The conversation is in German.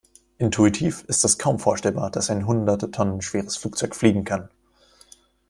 Intuitiv ist es kaum vorstellbar, dass ein hunderte Tonnen schweres Flugzeug fliegen kann.